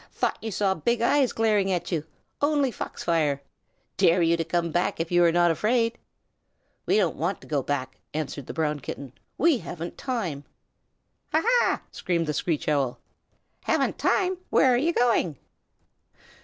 "Thought you saw big eyes glaring at you. Only fox fire. Dare you to come back if you are not afraid." "We don't want to go back," answered the Brown Kitten. "We haven't time." "Ha ha!" screamed the Screech Owl. "Haven't time! Where are you going?"